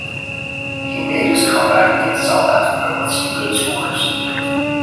He made his comeback against South Africa with some good scores.